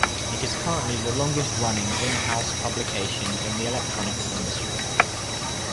It is currently the longest-running in-house publication in the electronics industry.